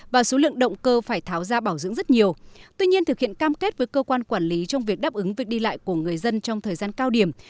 và số lượng động cơ phải tháo ra bảo dưỡng rất nhiều tuy nhiên thực hiện cam kết với cơ quan quản lý trong việc đáp ứng việc đi lại của người dân trong thời gian cao điểm